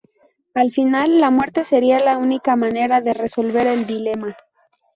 Al final, la muerte sería la única manera de resolver el dilema.